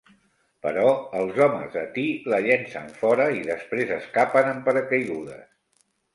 Però els homes de Ty la llencen fora i després escapen en paracaigudes.